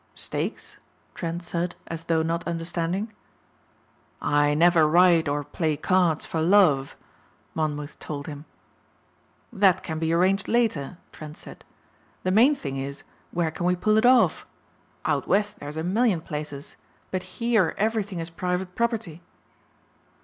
"Stakes?" Trent said as though not understanding. "I never ride or play cards for love," Monmouth told him. "That can be arranged later," Trent said, "the main thing is where can we pull it off? Out west there's a million places but here everything is private property."